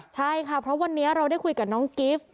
ใช่ค่ะเพราะวันนี้เราได้คุยกับน้องกิฟต์